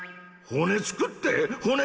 骨つくって。